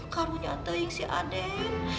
karunya anda yang si aden